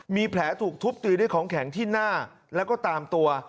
มีแผลถูกทุบตีด้วยของแข็งที่หน้าแล้วก็ตามตัว